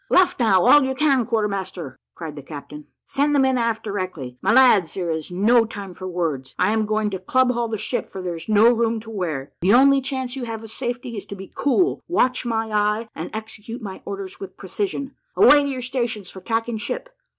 "Luff now, all you can, quarter master," cried the captain. "Send the men aft directly. My lads, there is no time for words I am going to club haul the ship, for there is no room to wear. The only chance you have of safety is to be cool, watch my eye, and execute my orders with precision. Away to your stations for tacking ship.